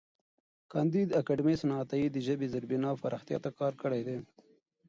کانديد اکاډميسن عطايي د ژبې د زېربنا پراختیا ته کار کړی دی.